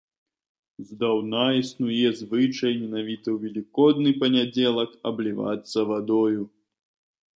Здаўна існуе звычай менавіта ў велікодны панядзелак аблівацца вадою.